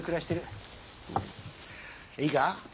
いいか？